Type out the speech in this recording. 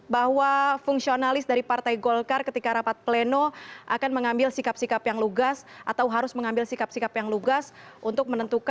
baik anda masih bersama pak